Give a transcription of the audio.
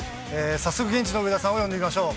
早速、現地の上田さんを呼んでみましょう。